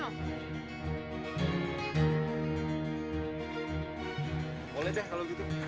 boleh deh kalo gitu